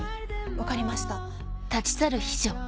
分かりました。